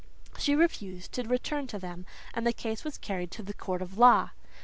She refused to return to them and the case was carried to the court of law.